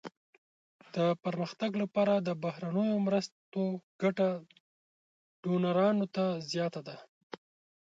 د پرمختګ لپاره د بهرنیو مرستو ګټه ډونرانو ته زیاته ده.